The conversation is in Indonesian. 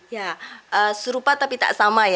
ya serupa tapi tak sama ya